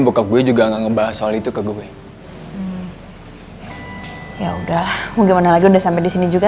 bokap gue juga nggak ngebahas soal itu ke gue ya udah mau gimana lagi udah sampai disini juga